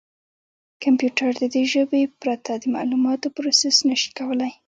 کمپیوټر د دې ژبې پرته د معلوماتو پروسس نه شي کولای.